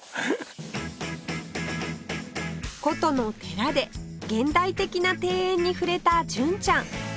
古都の寺で現代的な庭園に触れた純ちゃん